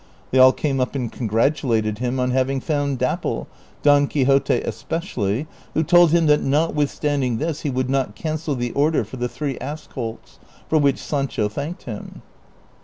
They all came up and congratulated him on having found Dapple, Don Qui xote especially, who told him that notwithstanding this he would not cancel the order for the three ass colts, for which Sancho thanked him.